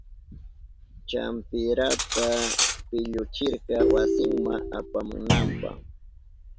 Champirata pilluchirka wasinma apamunanpa.